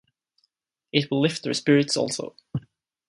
It will lift their spirits also.